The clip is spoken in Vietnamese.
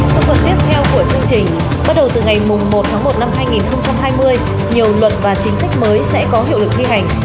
trong phần tiếp theo của chương trình bắt đầu từ ngày một tháng một năm hai nghìn hai mươi nhiều luật và chính sách mới sẽ có hiệu lực thi hành